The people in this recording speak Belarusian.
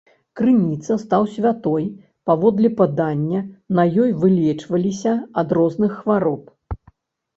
Крыніца стаў святой, паводле падання, на ёй вылечваліся ад розных хвароб.